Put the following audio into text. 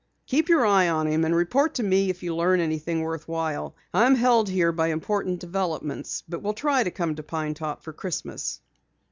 Keep your eye on him, and report to me if you learn anything worth while. I am held here by important developments, but will try to come to Pine Top for Christmas."